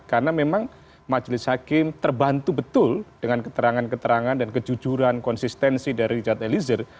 karena memang majelis hakim terbantu betul dengan keterangan keterangan dan kejujuran konsistensi dari richard eliezer